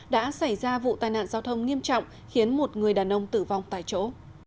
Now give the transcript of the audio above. đã xảy ra vụ tai nạn giao thông nghiêm trọng khiến một người đàn ông tử vong tại chỗ